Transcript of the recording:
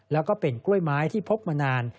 แล้วก็เป็นกล้วยไม้ที่พกมานาน